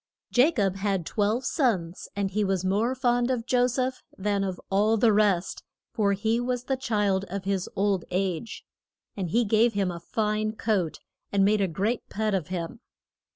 JA COB had twelve sons, and he was more fond of Jo seph than of all the rest; for he was the child of his old age. And he gave him a fine coat, and made a great pet of him.